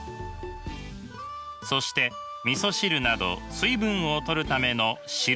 そしてみそ汁など水分をとるための汁物。